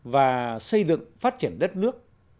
và xây dựng phát triển đất nước